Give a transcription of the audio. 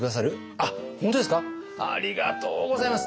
ありがとうございます！